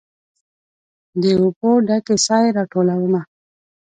د اوبو ډ کې سائې راټولومه